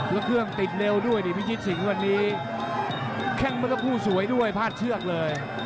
แล้วเครื่องติดเร็วด้วยดิพี่ชิดสิงวันนี้แข่งบริษัทผู้สวยด้วยพลาดเชือกเลย